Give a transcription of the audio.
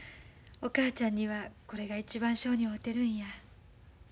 お母ちゃんにはこれが一番性に合うてるんや。